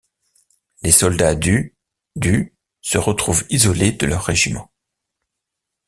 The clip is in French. Des soldats du du se retrouvent isolés de leur régiment.